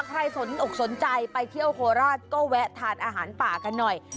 สนอกสนใจไปเที่ยวโคราชก็แวะทานอาหารป่ากันหน่อย